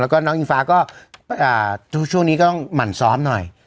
แล้วก็น้องอิงฟ้าก็ช่วงนี้ก็ต้องหมั่นซ้อมหน่อย